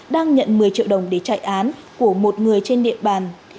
đang nhận một mươi triệu đồng để chạy án của một người trên địa bàn